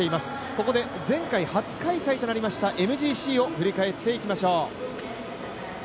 ここで前回初開催となりましたＭＧＣを振り返っていきましょう。